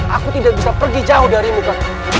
aku tidak bisa pergi jauh dari muka